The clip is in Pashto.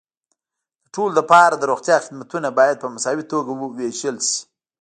د ټولو لپاره د روغتیا خدمتونه باید په مساوي توګه وېشل شي.